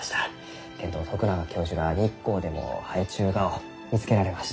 けんど徳永教授が日光でも生えちゅうがを見つけられました。